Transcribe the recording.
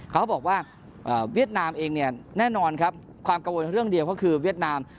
เขาบอกว่าเวียดนามเองเนี่ยแน่นอนครับความกังวลเรื่องเดียวก็คือเวียดนาม